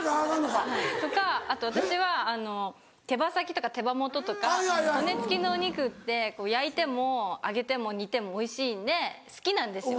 はいとか私はあの手羽先とか手羽元とか骨付きのお肉って焼いても揚げても煮てもおいしいんで好きなんですよ